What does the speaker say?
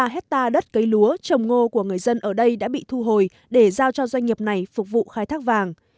bốn mươi ba hectare đất cấy lúa trồng ngô của người dân ở đây đã bị thu hồi để giao cho doanh nghiệp này phục vụ khai thác vàng